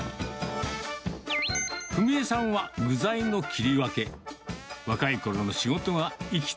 冨美江さんは具材の切り分け。